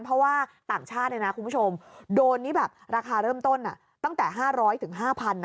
เพราะว่าต่างชาติเนี่ยนะคุณผู้ชมโดนนี่แบบราคาเริ่มต้นตั้งแต่๕๐๐ถึง๕๐๐๕๐๐บาท